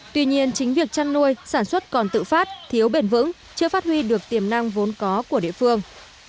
tuy nhiên chính việc chăn nuôi sản xuất còn tự phát thiếu bền vững chưa phát huy được tiềm năng vốn có của địa phương